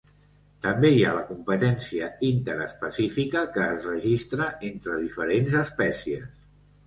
També hi ha la competència interespecífica, que es registra entre diferents espècies.